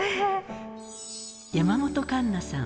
山本栞奈さん